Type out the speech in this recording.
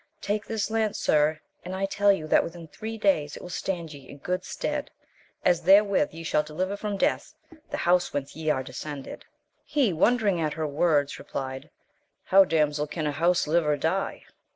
Take this lance, sir, and I tell you that within three days it will stand ye in good stead, as therewith ye shall deliver from death the house whence 3—2 36 AMADIS OF GAUL. ye are descended. He, wondering at her words, replied, How, damsel, can a house live or die?